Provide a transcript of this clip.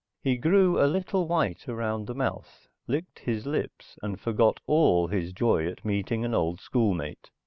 He grew a little white around the mouth, licked his lips, and forgot all his joy at meeting an old school mate.